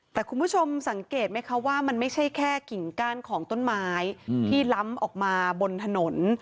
แต่คุณผู้ชมสังเกตไหมคะว่ามันไม่ใช่แค่กิ่งก้านของต้นไม้ที่ล้ำออกมาบนถนน